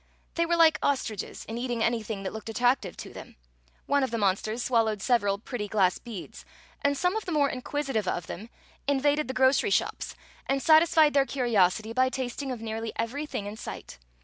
They were like ostriches in eat ing anything that looked attractive to them; one of the monsters swallowed several pretty glass beads, and some of the more inquisitive of them invaded the 33a Queen Zixi of Ix; or, the grocery shops and satisfied their curiosity by tasting of nearly everything in sight.